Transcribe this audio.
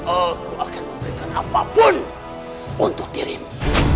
aku akan memberikan apapun untuk dirimu